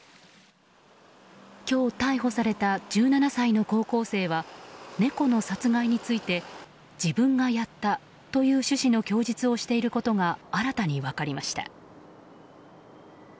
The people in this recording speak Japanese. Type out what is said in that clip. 今日逮捕された１７歳の高校生は猫の殺害について自分がやったという趣旨の供述をしていることが新たに分かりました。